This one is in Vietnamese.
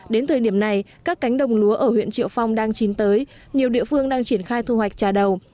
đến thời điểm này các cánh đồng lúa ở huyện triệu phong đang chín tới nhiều địa phương đang triển khai thu hoạch trà đầu